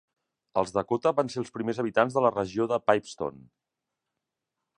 Els Dakota van ser els primers habitants de la regió de Pipestone.